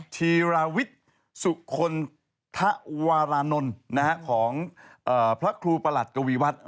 ธีรวิทธุ์สุขนธวรรณนท์ของพระครูประหลัดกวีวัฒน์